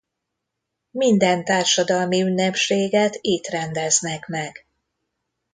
Minden társadalmi ünnepséget itt rendeznek meg.